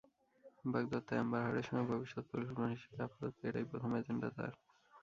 বাগদত্তা Amber হার্ডের সঙ্গে ভবিষ্যৎ পরিকল্পনা হিসেবে আপাতত এটাই প্রথম এজেন্ডা তাঁর।